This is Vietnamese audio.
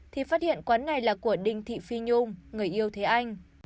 thì phát hiện quán này là của đinh thị phi nhung người yêu thế anh